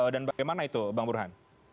dan bagaimana itu bang burhan